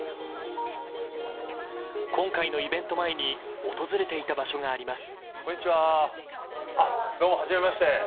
今回のイベント前に訪れていた場所があります。